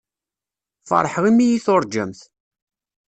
Feṛḥeɣ imi iyi-tuṛǧamt.